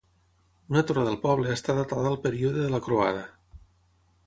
Una torre del poble està datada al període de la croada.